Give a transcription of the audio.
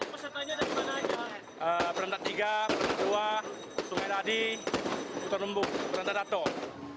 pelantar tiga pelantar dua sungai dadi utang lembut pelantar datong